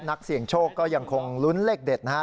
นักเสี่ยงโชคก็ยังคงลุ้นเลขเด็ดนะฮะ